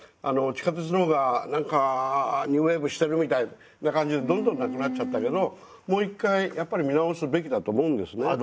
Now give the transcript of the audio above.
地下鉄の方が何かニューウエーブしてるみたいな感じでどんどんなくなっちゃったけどもう一回やっぱり見直すべきだと思うんですね。